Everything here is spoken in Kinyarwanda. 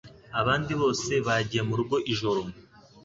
Abandi bose bagiye murugo ijoro